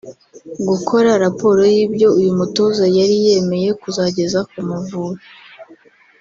gukora raporo y’ibyo uyu mutoza yari yemeye kuzageza ku Mavubi